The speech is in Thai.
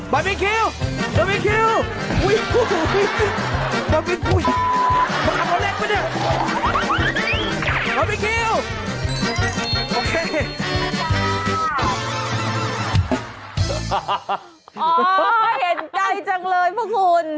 อ๋อเห็นใจจังเลยเพื่อคุณ